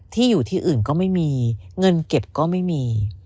ที่อยู่ที่อื่นก็ไม่มีเงินเก็บก็ไม่มี